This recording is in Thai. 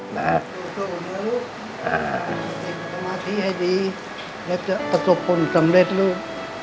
ลูกสมาธิให้ดีและจะประสบผลสำเร็จลูก